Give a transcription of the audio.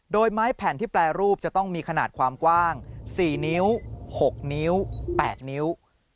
โดยไม้แผ่นที่แปรรูปจะต้องมีขนาดความกว้าง๔นิ้ว๖นิ้ว๘นิ้ว